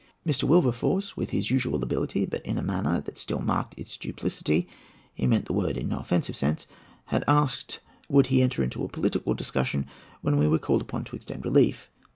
Mr. Wilberforce, with his usual ability, but in a manner that still marked its duplicity—he meant the word in no offensive sense—had asked, would he enter into a political discussion when we were called upon to extend relief?